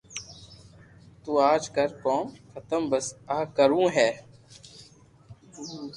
تو آج ڪر ڪوم ختم بس آ ڪروو ھي